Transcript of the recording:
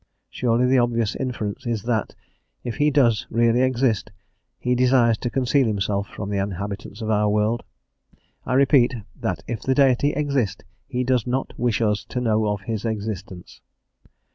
Surely the obvious inference is that, if he does really exist, he desires to conceal himself from the inhabitants of our world. I repeat, that if the Deity exist, he does not wish us to know of his existence.